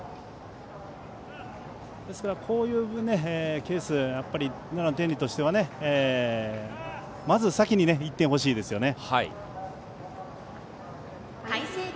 ですから、こういうケースではやっぱり奈良の天理としてはまず先に１点欲しいですよね。